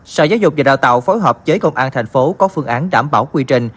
sở giáo dục và đào tạo phối hợp với công an thành phố có phương án đảm bảo quy trình